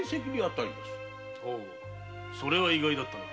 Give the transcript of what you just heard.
それは意外だったな。